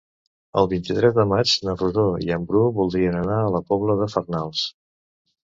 El vint-i-tres de maig na Rosó i en Bru voldrien anar a la Pobla de Farnals.